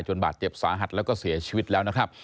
บาดเจ็บสาหัสแล้วก็เสียชีวิตแล้วนะครับ